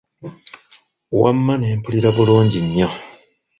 Wamma ne mpulira bulungi nnyo.